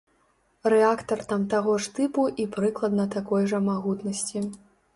Рэактар там таго ж тыпу і прыкладна такой жа магутнасці.